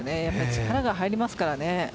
力が入りますからね。